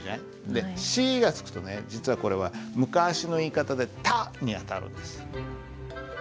で「し」がつくとね実はこれは昔の言い方で「た」にあたるんです。